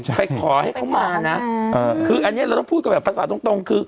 ใช่ไปขอให้เขามานะเอ่อคืออันเนี้ยเราต้องพูดกับแบบภาษาตรงตรงคือ